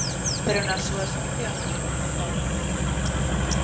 Pero nas súas funcións, non.